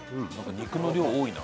肉の量多いな。